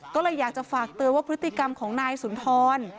ก็เลยอยากจะฝากเตือนว่าพฤติกรรมของนายสุนทร